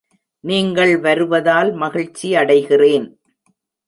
நீங்கள் வருவதால் மகிழ்ச்சியடைகிறேன்!